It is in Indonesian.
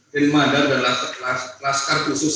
van mander dan lascar khusus